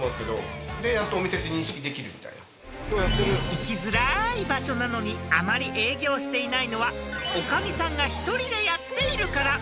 ［行きづらい場所なのにあまり営業していないのは女将さんが１人でやっているから］